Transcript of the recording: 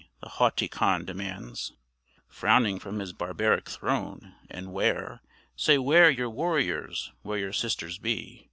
the haughty Khan demands, Frowning from his barbaric throne; "and where Say where your warriors where your sisters be."